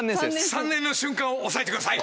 「３年」の瞬間を押さえてください